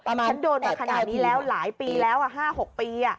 ฉันโดนมาขนาดนี้แล้วหลายปีแล้ว๕๖ปี